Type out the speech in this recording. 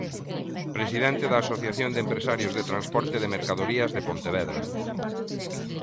Presidente da Asociación de Empresarios de Transporte de Mercadorías de Pontevedra.